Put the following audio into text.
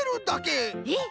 えっ？